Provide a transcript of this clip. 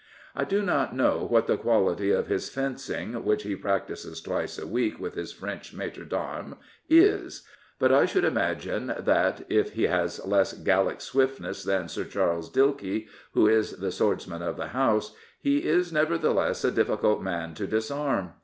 I do not know what the quality of his fencing, which he practises twice a week with his French maitre d'armes, is, but I should imagine that, if he has less Gallic swiftness than Sir Charles Dilke, who is the swordsman of the House, he is nevertheless a difficult man to disarm.